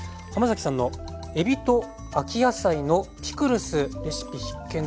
さんのえびと秋野菜のピクルスレシピ必見です。